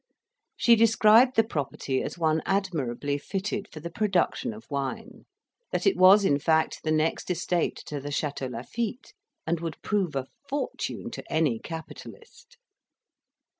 She described the property as one admirably fitted for the production of wine; that it was, in fact, the next estate to the Chateau Lafitte, and would prove a fortune to any capitalist.